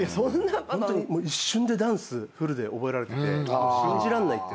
ホントに一瞬でダンスフルで覚えられてて信じらんないって。